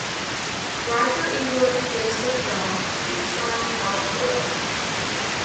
Roger Ebert gives the film two stars out of four.